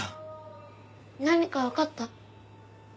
何かわかった？